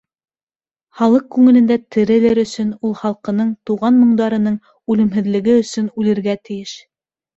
Халыҡ күңелендә терелер өсөн ул халҡының, тыуған моңдарының үлемһеҙлеге өсөн үлергә тейеш.